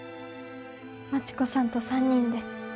真知子さんと３人で。